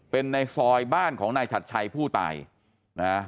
เป็นในซอยบ้านของนายฉัดชัยผู้ตายนะฮะ